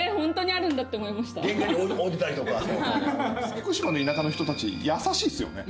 福島の田舎の人たち優しいっすよね。